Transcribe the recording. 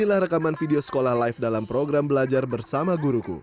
inilah rekaman video sekolah live dalam program belajar bersama guruku